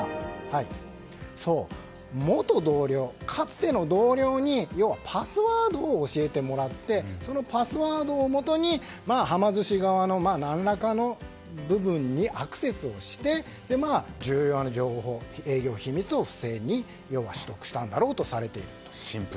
元同僚、かつての同僚に要はパスワードを教えてもらってそのパスワードをもとにはま寿司側の何らかの部分にアクセスをして重要な情報、営業秘密を不正に取得したんだろうとされていると。